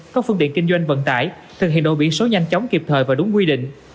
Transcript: các phương tiện kinh doanh vận tải thực hiện đổi biển số nhanh chóng kịp thời và đúng quy định